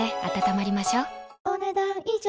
お、ねだん以上。